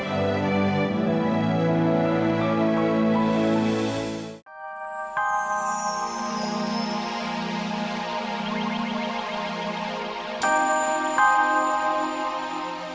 iya kak burger